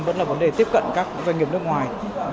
vẫn là vấn đề tiếp cận các doanh nghiệp nước ngoài